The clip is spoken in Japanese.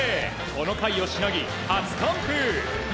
この回をしのぎ、初完封。